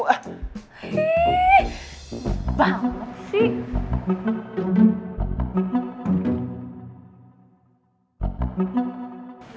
ih banget sih